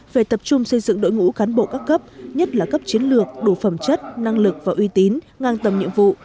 về tập trung xây dựng đội ngũ cán bộ các cấp nhất là cấp chiến lược đủ phẩm chất năng lực và uy tín ngang tầm nhiệm vụ